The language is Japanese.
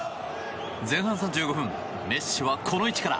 前半３５分メッシは、この位置から。